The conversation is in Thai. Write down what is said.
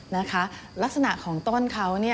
ลักษณะของต้นเขา